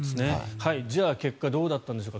じゃあ、結果どうだったんでしょうか。